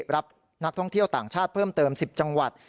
รับนักท่องเที่ยวต่างชาติเพิ่มเติม๑๐จังหวัด